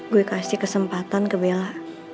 gue kasih kesempatan ke bella